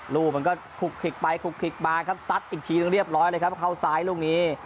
ลูกมันก็ขลุกขุกไปขลุกขลิกละครับสัดอีกทีเรียบร้อยนะครับเข้าซ้ายลูกนี้